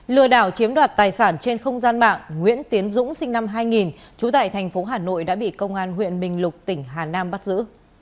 lừa đảo chiếm đoạt tài sản trên không gian mạng nguyễn tiến dũng sinh năm hai nghìn trú tại thành phố hà nội đã bị công an huyện bình lục tỉnh hà nam bắt giữ